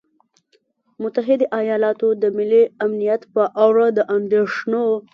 متحدو ایالتونو د ملي امنیت په اړه د اندېښنو